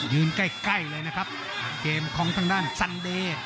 ใกล้ใกล้เลยนะครับเกมของทางด้านซันเดย์